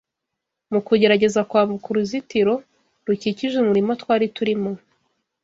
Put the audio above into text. mu kugerageza kwambuka uruzitiro rukikije umurima twari turimo